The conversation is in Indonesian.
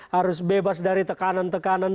harus bebas dari tekanan tekanan